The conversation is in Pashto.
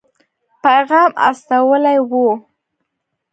پیغام استولی وو.